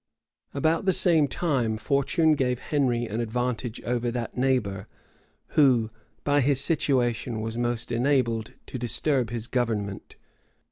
About the same time, fortune gave Henry an advantage over that neighbor, who, by his situation, was most enabled to disturb his government.